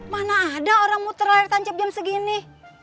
mana ada orang muter layar tancep jam segini